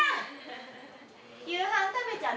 夕飯食べちゃった？